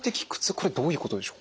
これどういうことでしょうか？